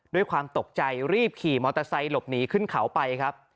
ด้วยความตกใจรีบขี่มอเตอร์ไซค์หลบหนีขึ้นเขาไปครับ